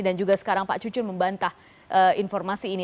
dan juga sekarang pak cucun membantah informasi ini